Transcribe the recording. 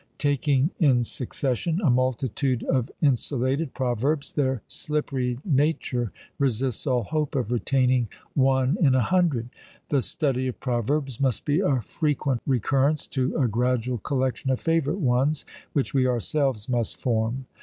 Taking in succession a multitude of insulated proverbs, their slippery nature resists all hope of retaining one in a hundred; the study of proverbs must be a frequent recurrence to a gradual collection of favourite ones, which we ourselves must form.